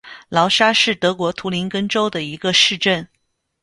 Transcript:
劳沙是德国图林根州的一个市镇。